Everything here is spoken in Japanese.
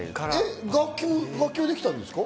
楽器はできたんですか？